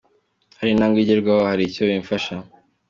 Hari intambwe igerwaho, hari icyo bimfasha.